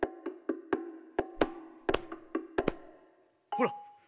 ほら。